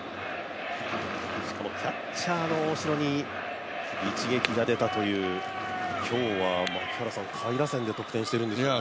しかもキャッチャーの大城に一撃が出たという、今日は下位打線で得点しているんですね。